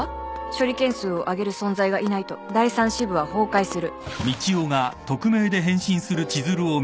「処理件数をあげる存在がいないと第３支部は崩壊する」